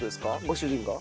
ご主人が？